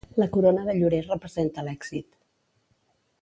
La corona de llorer representa l'èxit.